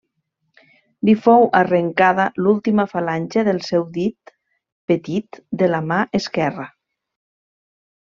Li fou arrencada l'última falange del seu dit petit de la mà esquerra.